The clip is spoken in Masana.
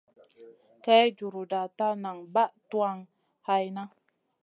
Kay juruda ta nan bah tuwan hayna.